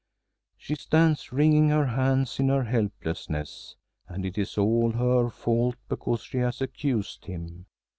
She stands wringing her hands in her helplessness. And it is all her fault because she has accused him!